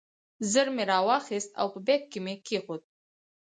ژر مې راواخیست او په بیک کې مې کېښود.